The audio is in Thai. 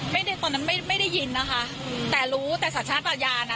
ไม่ได้ตอนนั้นไม่ไม่ได้ยินนะคะอืมแต่รู้แต่สัชฌาตญาณอ่ะ